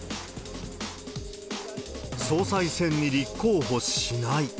総裁選に立候補しない。